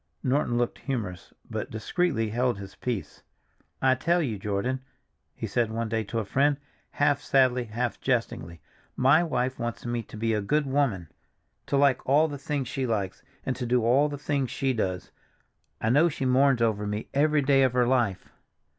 Norton looked humorous, but discreetly held his peace. "I tell you, Jordan," he said one day to a friend, half sadly, half jestingly, "my wife wants me to be a good woman, to like all the things she likes, and to do all the things she does. I know she mourns over me every day of her life.